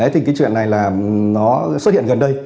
thì chuyện này xuất hiện gần đây